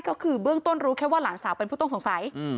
ก็คือเบื้องต้นรู้แค่ว่าหลานสาวเป็นผู้ต้องสงสัย